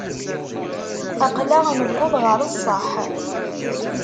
Aql-aɣ newweḍ ɣer ṣṣeḥ.